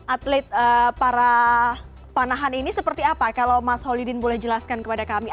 atlet para panahan ini seperti apa kalau mas holidin boleh jelaskan kepada kami